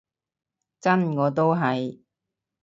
真，我都係